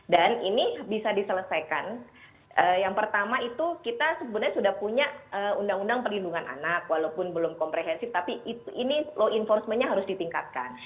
dan ini bisa diselesaikan yang pertama itu kita sebenarnya sudah punya undang undang perlindungan anak walaupun belum komprehensif tapi ini law enforcementnya harus ditingkatkan